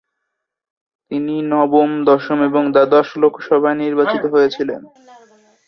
তিনি নবম, দশম এবং দ্বাদশ লোকসভায় নির্বাচিত হয়েছিলেন।